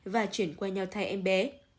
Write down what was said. và chuyển qua nhau thai em bé